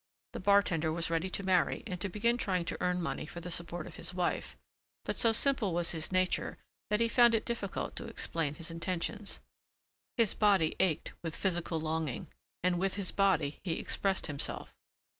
The bartender was ready to marry and to begin trying to earn money for the support of his wife, but so simple was his nature that he found it difficult to explain his intentions. His body ached with physical longing and with his body he expressed himself.